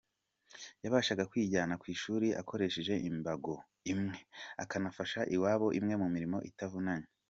Yabashaga kwijyana ku ishuri akoresheje imbago imwe akanafasha iwabo imwe mu mirimo itavunanye.